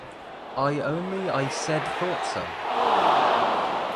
I only I said thought so.